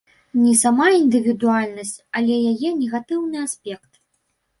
Не сама індывідуальнасць, але яе негатыўны аспект.